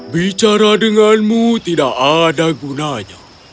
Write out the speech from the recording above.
bicara denganmu tidak ada gunanya